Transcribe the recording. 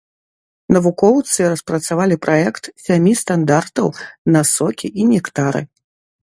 Навукоўцы распрацавалі праект сямі стандартаў на сокі і нектары.